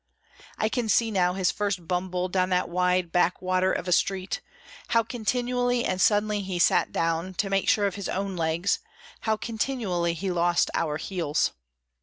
I can see now his first bumble down that wide, back water of a street, how continually and suddenly he sat down to make sure of his own legs, how continually he lost our heels.